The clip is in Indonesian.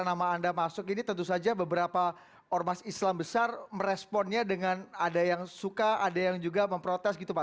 nama anda masuk ini tentu saja beberapa ormas islam besar meresponnya dengan ada yang suka ada yang juga memprotes gitu pak